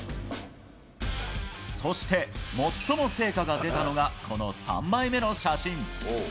そして最も成果が出たのが、この３枚目の写真。